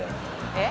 えっ？